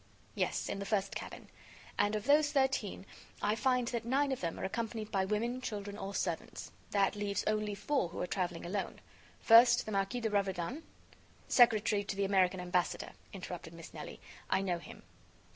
"Yes, in the first cabin. And of those thirteen, I find that nine of them are accompanied by women, children or servants. That leaves only four who are traveling alone. First, the Marquis de Raverdan " "Secretary to the American Ambassador," interrupted Miss Nelly. "I know him."